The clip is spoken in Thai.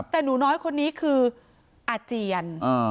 แต่หนูน้อยคนนี้คืออาเจียน